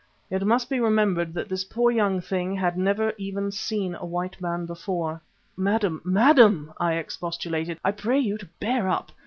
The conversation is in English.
It must be remembered that this poor young thing had never even seen a white man before. "Madam, madam," I expostulated, "I pray you to bear up.